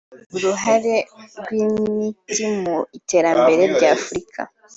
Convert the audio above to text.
“Uruhare rw’intiti mu iterambere rya Afurika